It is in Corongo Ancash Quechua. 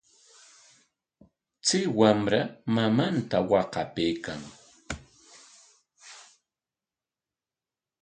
Chay wamra mamanta waqapaykan.